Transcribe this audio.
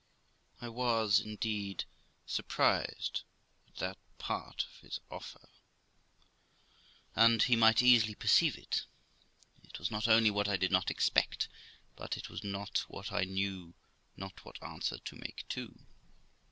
I was indeed surprised at that part of his offer, and he might easily perceive it; it was not only what I did not expect, but it was what I knew not what answer to make to.